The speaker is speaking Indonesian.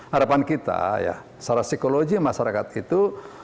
harapan kita ya secara psikologi masyarakat itu